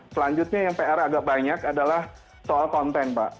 selanjutnya yang pr agak banyak adalah soal konten pak